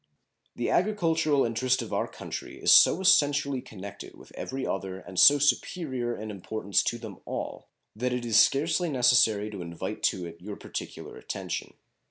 The agricultural interest of our country is so essentially connected with every other and so superior in importance to them all that it is scarcely necessary to invite to it your particular attention.